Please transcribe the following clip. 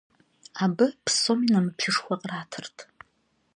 Абы псоми нэмыплъышхуэ къратырт.